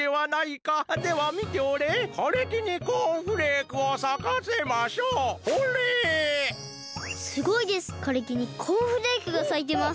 かれきにコーンフレークがさいてます！